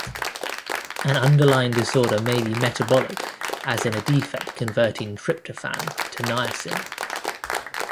An underlying disorder may be metabolic as in a defect converting tryptophan to niacin.